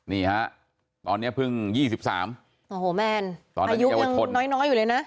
นี่ฮะตอนนี้เพิ่ง๒๓โอ้โหแมนตอนนี้อายุยังน้อยอยู่เลยนะ